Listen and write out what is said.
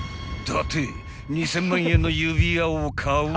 ［伊達２，０００万円の指輪を買う？